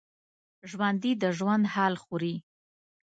ژوندي د ژوند حال خوري